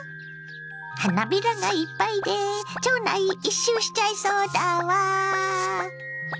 花びらがいっぱいで町内一周しちゃいそうだわ。